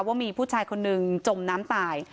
ว่ามีผู้ชายคนหนึ่งจมน้ำตาย